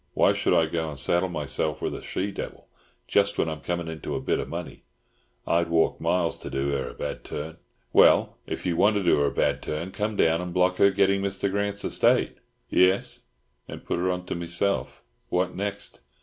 Why should I go and saddle myself with a she devil just when I'm coming into a bit of money? I'd walk miles to do her a bad turn." "Well, if you want to do her a bad turn, come down and block her getting Mr. Grant's estate." "Yes, an' put her on to meself What next?